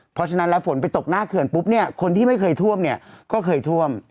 เพราะฉะนั้นแล้วฝนไปตกหน้าเขื่อนปุ๊บเนี่ยคนที่ไม่เคยท่วมเนี่ยก็เคยท่วม